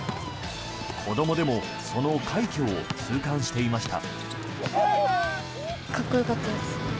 子どもでもその快挙を痛感していました。